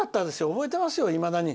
覚えてますよ、いまだに。